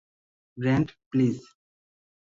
ব্রেন্ট, please!